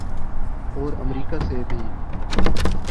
اورامریکہ سے بھی۔